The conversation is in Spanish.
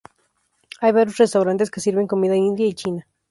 Hay varios restaurantes que sirven comida india y china.